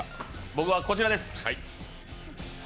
僕はこちらです。